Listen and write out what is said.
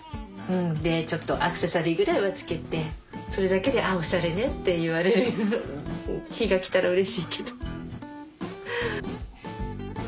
でちょっとアクセサリーぐらいは着けてそれだけで「あおしゃれね」って言われる日が来たらうれしいけど。